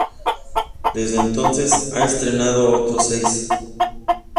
Desde entonces, a estrenado otros seis.